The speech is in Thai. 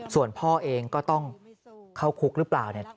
ส่วนพ่อเองก็ต้องเข้าคุกหรือเปล่าเนี่ย